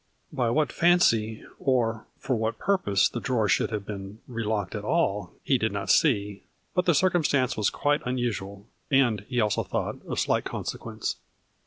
By what fancy, or for what purpose the drawer should have been relocked at all he did not see, " but the circumstance was quite unusual," and, he also thought, " of slight con sequence."